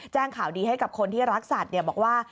ข่าวดีให้กับคนที่รักสัตว์บอกว่า